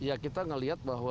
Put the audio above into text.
ia kita melihat bahwa